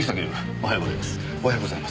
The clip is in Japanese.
おはようございます。